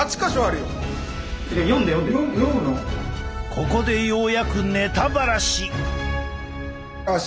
ここでようやくネタばらし！